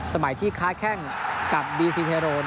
สมัยที่คลาดแค่งกับบีซีเทโรน